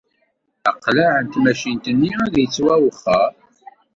Aqlaɛ n tmacint-nni ad yettwawexxer.